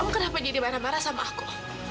aku kenapa jadi marah marah sama aku